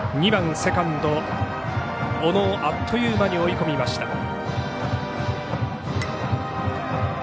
２番、セカンドの小野をあっという間に追い込みました。